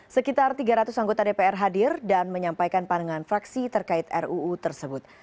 sekitar tiga ratus anggota dpr hadir dan menyampaikan pandangan fraksi terkait ruu tersebut